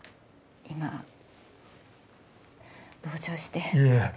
今同情していえ！